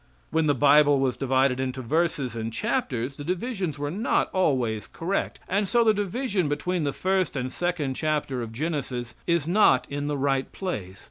When the Bible was divided into verses and chapters, the divisions were not always correct, and so the division between the first and second chapter of Genesis is not in the right place.